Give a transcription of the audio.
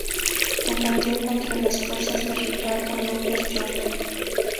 Combatió contra las fuerzas de Ricardo López Jordán.